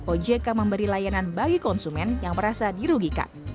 ojk memberi layanan bagi konsumen yang merasa dirugikan